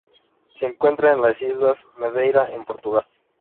Se encuentra en las islas Madeira en Portugal.